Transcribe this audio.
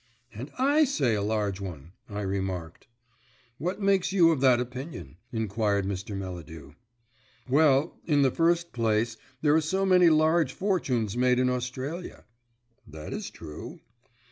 "And I say a large one," I remarked. "What makes you of that opinion?" inquired Mr. Melladew. "Well, in the first place there are so many large fortunes made in Australia." "That is true."